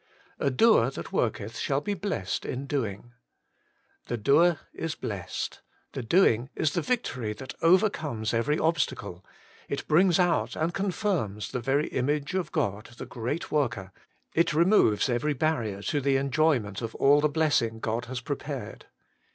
A doer that zvorketh shall he blessed in doing. — The doer is blessed. The doing is the victory that overcomes every obstacle ; it brings out and confirms the very image of God, the Great Worker ; it removes every barrier to the enjoyment of all the blessing God has prepared.